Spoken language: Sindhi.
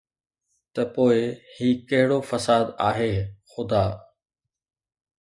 ته پوءِ هي ڪهڙو فساد آهي خدا؟